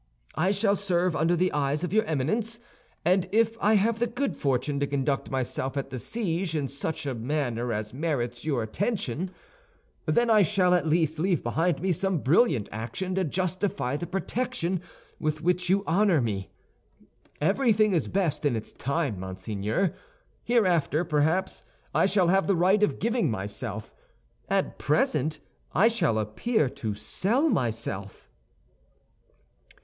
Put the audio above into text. I shall serve under the eye of your Eminence, and if I have the good fortune to conduct myself at the siege in such a manner as merits your attention, then I shall at least leave behind me some brilliant action to justify the protection with which you honor me. Everything is best in its time, monseigneur. Hereafter, perhaps, I shall have the right of giving myself; at present I shall appear to sell myself."